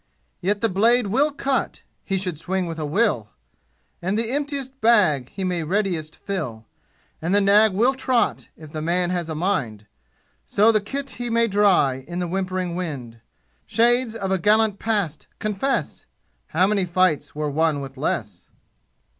Yet the blade will cut, (He should swing with a will!) And the emptiest bag He may readiest fill; And the nag will trot If the man has a mind, So the kit he may dry In the whimpering wind. Shades of a gallant past confess! How many fights were won with less?